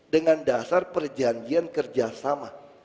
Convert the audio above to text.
dengan dasar perjanjian kerjasama